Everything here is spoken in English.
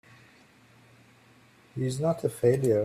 He's not a failure!